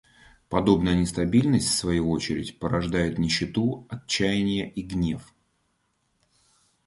Подобная нестабильность, в свою очередь, порождает нищету, отчаяние и гнев.